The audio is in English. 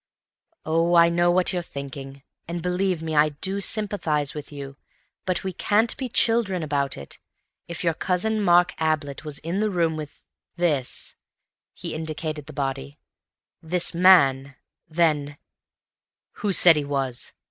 "Oh, I know what you're thinking, and believe me I do sympathize with you, but we can't be children about it. If your cousin Mark Ablett was in the room with this"—he indicated the body—"this man, then—" "Who said he was?"